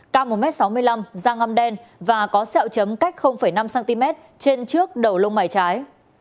cao một m sáu mươi năm da ngâm đen và có sẹo chấm cách năm cm trên trước đầu lông mày trái